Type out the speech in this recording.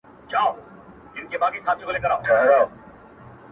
• بس هر قدم مي د تڼاکو تصویرونه وینم -